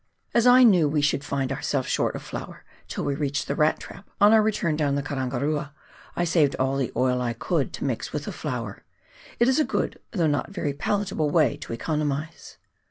As I knew we should find ourselves short of flour till we reached the Rat Trap, on our return down the Karangarua, I saved all the oil I could, to mix with the flour — it is a good, though not very palatable way to economise.